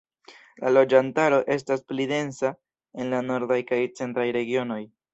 La loĝantaro estas pli densa en la nordaj kaj centraj regionoj.